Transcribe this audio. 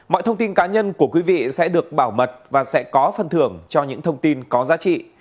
mọi thông tin cá nhân của quý vị sẽ được bảo mật và sẽ có phần thưởng cho những thông tin có giá trị